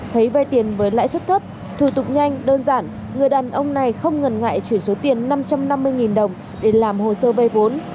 thấy vay tiền với lãi suất thấp thủ tục nhanh đơn giản người đàn ông này không ngần ngại chuyển số tiền năm trăm năm mươi đồng để làm hồ sơ vay vốn